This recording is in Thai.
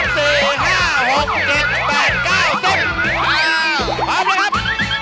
พร้อมเลยครับ